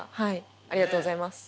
ありがとうございます。